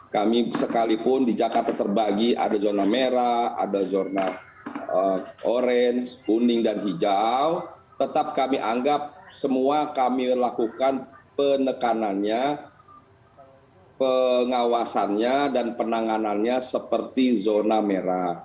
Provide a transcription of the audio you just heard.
kami sekalipun di jakarta terbagi ada zona merah ada zona orange kuning dan hijau tetap kami anggap semua kami lakukan penekanannya pengawasannya dan penanganannya seperti zona merah